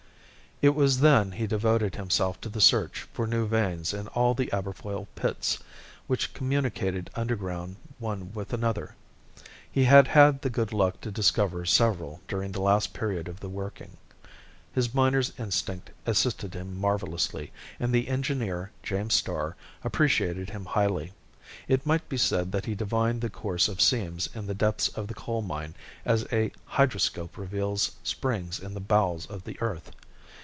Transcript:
It was then he devoted himself to the search for new veins in all the Aberfoyle pits, which communicated underground one with another. He had had the good luck to discover several during the last period of the working. His miner's instinct assisted him marvelously, and the engineer, James Starr, appreciated him highly. It might be said that he divined the course of seams in the depths of the coal mine as a hydroscope reveals springs in the bowels of the earth.